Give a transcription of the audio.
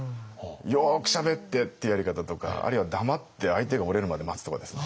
よくしゃべってっていうやり方とかあるいは黙って相手が折れるまで待つとかですね。